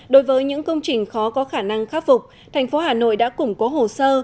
đối với những công trình khó có khả năng khắc phục thành phố hà nội đã củng cố hồ sơ